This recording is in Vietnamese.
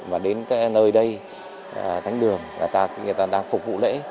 và đến nơi đây thánh đường người ta đang phục vụ lễ